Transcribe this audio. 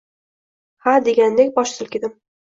“Ha” degandek bosh silkidim.